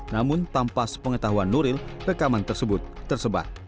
namun tanpa sepengetahuan nuril rekaman tersebut tersebar